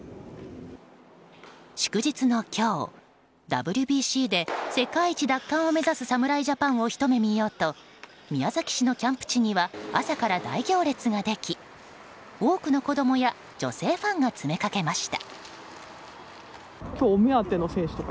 祝日の今日、ＷＢＣで世界一奪還を目指す侍ジャパンをひと目見ようと宮崎市のキャンプ地には朝から大行列ができ多くの子供や女性ファンが詰めかけました。